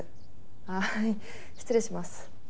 はーい失礼します。